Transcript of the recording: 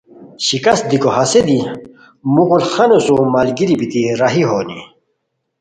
شکست دیکو ہسے دی مغل خانو سوم ملگیری بیتی راہی ہونی